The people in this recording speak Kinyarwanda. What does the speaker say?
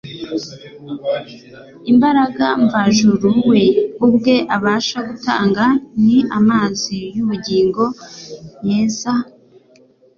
Imbaraga mvajuru we ubwe abasha gutanga, ni amazi y’ubugingo, yeza,